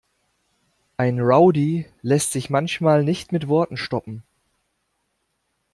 Ein Rowdy lässt sich manchmal nicht mit Worten stoppen.